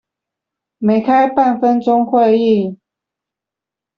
沒開半分鐘會議